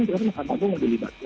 sekarang sudah terlibat